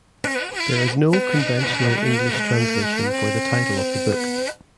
There is no conventional English translation for the title of the book.